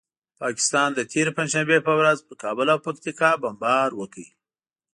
پاکستان د تېرې پنجشنبې په ورځ پر کابل او پکتیکا بمبار وکړ.